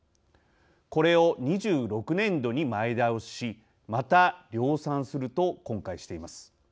これを２６年度に前倒ししまた、量産すると今回しています。